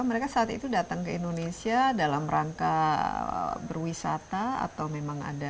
mereka saat itu datang ke indonesia dalam rangka berwisata atau memang ada